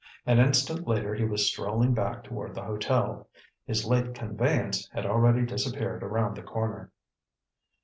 An instant later, he was strolling back toward the hotel. His late conveyance had already disappeared around the corner.